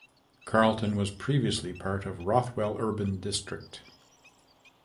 Carlton was previously part of Rothwell Urban District.